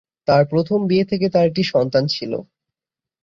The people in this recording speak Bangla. তাঁর প্রথম বিয়ে থেকে তাঁর একটি সন্তান ছিল।